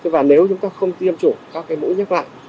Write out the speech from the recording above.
và nếu chúng ta không tiêm chủng các cái mũi nhắc lại